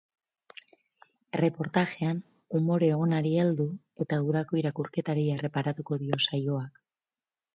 Erreportajean umore onari heldu eta udarako irakurketari erreparatuko dio saioak.